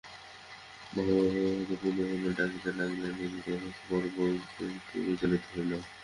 মহম্মদ পর্বতকে পুন পুন ডাকিতে লাগিলেন, তথাপি পর্বত একটুও বিচলিত হইল না।